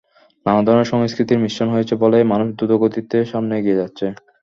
নানা ধরনের সংস্কৃতির মিশ্রণ হয়েছে বলেই মানুষ দ্রুতগতিতে সামনে এগিয়ে যাচ্ছে।